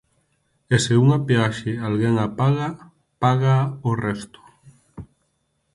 E se unha peaxe alguén a paga, págaa o resto.